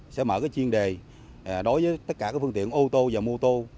sẽ mở chiên đề đối với tất cả phương tiện ô tô và mô tô